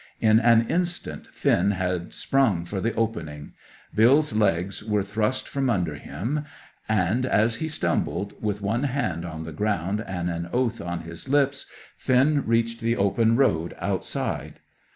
In an instant Finn had sprung for the opening, Bill's legs were thrust from under him, and as he stumbled, with one hand on the ground and an oath on his lips, Finn reached the open road outside.